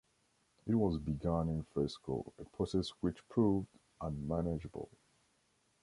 It was begun in fresco, a process which proved unmanageable.